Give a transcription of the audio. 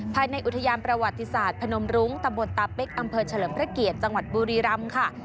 ภายในอุทยานประวัติศาสตร์พนมรุ้งตำบลตาเป๊กอำเภอเฉลิมพระเกียรติจังหวัดบุรีรำค่ะ